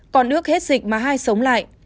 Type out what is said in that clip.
con ước hết dịch má hai sống lại